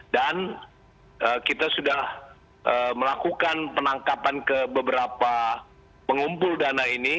dan kita sudah melakukan penangkapan ke beberapa pengumpul dana ini